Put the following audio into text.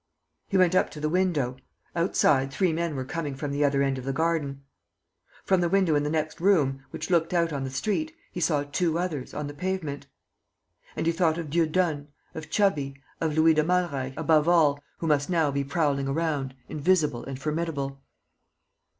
He went up to the window. Outside, three men were coming from the other end of the garden. From the window in the next room, which looked out on the street, he saw two others, on the pavement. And he thought of Dieudonne, of Chubby, of Louis de Malreich, above all, who must now be prowling around, invisible and formidable.